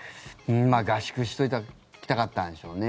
合宿をしておきたかったんでしょうね。